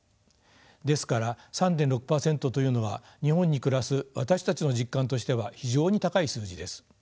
ですから３．６％というのは日本に暮らす私たちの実感としては非常に高い数字です。